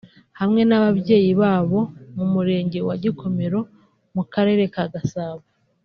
hamwe n’ababyeyi babo mu Murenge wa Gikomero mu Karere ka Gasabo